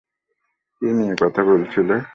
কী নিয়ে কথা বলছিলে?